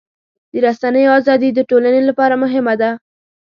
د رسنیو ازادي د ټولنې لپاره مهمه ده.